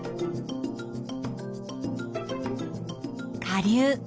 下流。